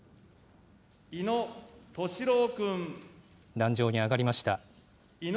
壇上に上がりました。